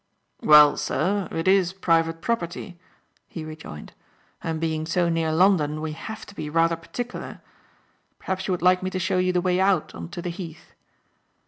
"Well, sir, it is private property," he rejoined, "and being so near London we have to be rather particular. Perhaps you would like me to show you the way out on to the Heath."